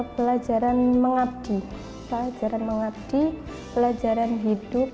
pelajaran mengabdi pelajaran mengabdi pelajaran hidup